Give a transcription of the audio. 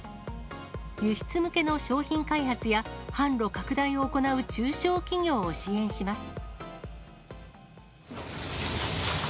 輸出向けの商品開発や販路拡大を行う中小企業を支援します。